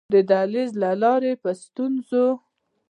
د دهلېز له لارې په ستونزو.